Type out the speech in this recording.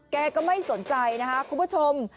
แกก็ไม่สนใจนะคะคุณผู้ชม